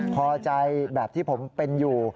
พอใจแบบที่ผมเป็นอยู่